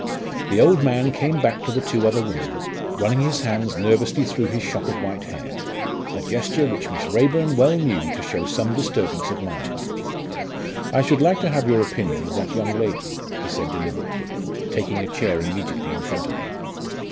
The old man came back to the two other women, running his hand nervously through his shock of white hair a gesture which Miss Raeburn well knew to show some disturbance of mind. "I should like to have your opinion of that young lady," he said deliberately, taking a chair immediately in front of them.